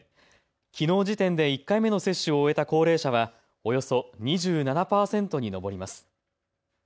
きのう時点で１回目の接種を終えた高齢者はおよそ２７％に上ります。